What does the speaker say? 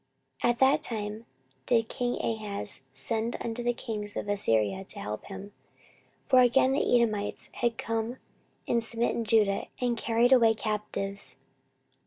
14:028:016 At that time did king Ahaz send unto the kings of Assyria to help him. 14:028:017 For again the Edomites had come and smitten Judah, and carried away captives.